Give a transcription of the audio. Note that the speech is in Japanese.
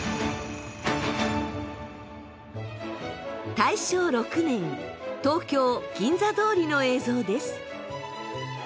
大正６年東京銀座通りの映像です。